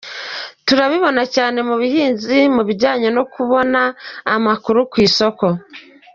Turabibona cyane mu buhinzi, mu bijyanye no kubona amakuru ku isoko.